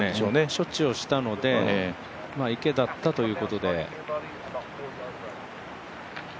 処置をしたので、池だったということで。